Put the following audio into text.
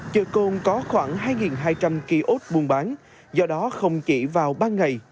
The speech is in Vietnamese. chợ côn có khoảng hai hai trăm linh kiosk buôn bán do đó không chỉ vào ban ngày